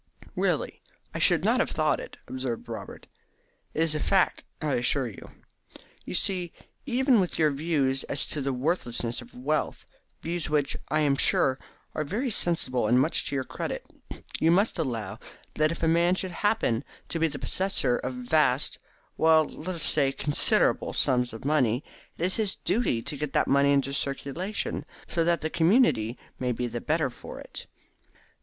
"Really, I should not have though it," observed Robert. "It is a fact, I assure you. You see, even with your views as to the worthlessness of wealth, views which, I am sure, are very sensible and much to your credit, you must allow that if a man should happen to be the possessor of vast well, let us say of considerable sums of money, it is his duty to get that money into circulation, so that the community may be the better for it.